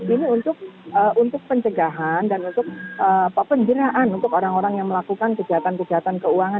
ini untuk pencegahan dan untuk penjeraan untuk orang orang yang melakukan kejahatan kejahatan keuangan